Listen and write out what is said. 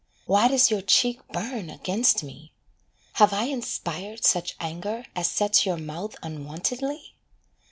Why does your cheek burn against me have I inspired Such anger as sets your mouth unwontedly?